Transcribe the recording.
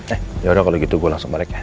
eh yaudah kalau gitu gue langsung balik ya